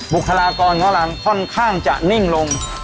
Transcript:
บุคลากรของเราค่อนข้างจะนิ่งลง